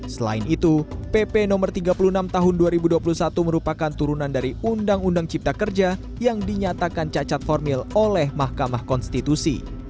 selain itu pp no tiga puluh enam tahun dua ribu dua puluh satu merupakan turunan dari undang undang cipta kerja yang dinyatakan cacat formil oleh mahkamah konstitusi